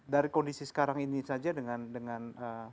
dari kondisi sekarang ini saja dengan